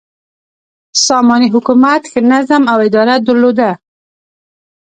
ساماني حکومت ښه نظم او اداره درلوده.